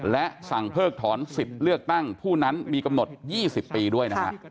และสั่งเพิกถอนสิทธิ์เลือกตั้งผู้นั้นมีกำหนด๒๐ปีด้วยนะฮะ